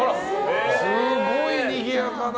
すごいにぎやかな。